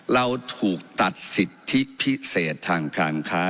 เราถูกตัดสิทธิพิเศษทางการค้า